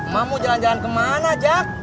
mau jalan jalan kemana jack